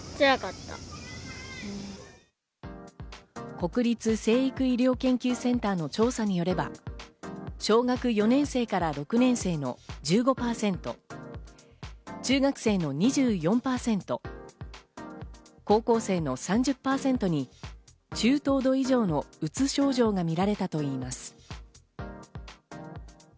国立成育医療研究センターの調査によれば小学４年生から６年生の１５％、中学生の２４％、高校生の３０％に中等度以上のうつ症状が見られたといいます。